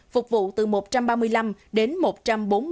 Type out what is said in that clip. phục vụ từ một trăm ba mươi nhà hàng không quốc tế tân sơn nhất